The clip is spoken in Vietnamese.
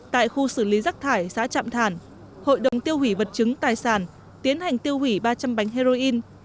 tại khu xử lý rác thải xã trạm thản hội đồng tiêu hủy vật chứng tài sản tiến hành tiêu hủy ba trăm linh bánh heroin